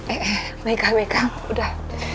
eh eh meka meka udah